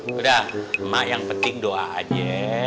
udah emak yang penting doa aja